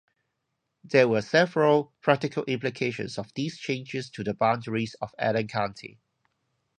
There were several practical implications of these changes to the boundaries of Allen County.